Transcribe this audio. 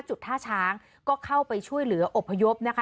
ท่าช้างก็เข้าไปช่วยเหลืออบพยพนะคะ